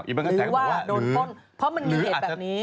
อีภัณฑ์กระแสก็มีว่าหรือ